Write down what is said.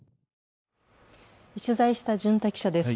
取材した巡田記者です。